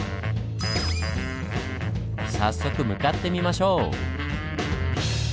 早速向かってみましょう！